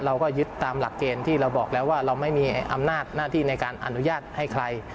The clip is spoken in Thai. เราก็ยึดตามหลักเกณฑ์ที่เราบอกแล้วว่าเราไม่มีอำนาจหน้าที่ในการอนุญาตให้ใคร